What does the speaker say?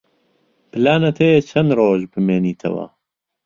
پلانت هەیە چەند ڕۆژ بمێنیتەوە؟